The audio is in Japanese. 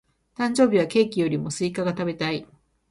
誕生日はケーキよりもスイカが食べたい。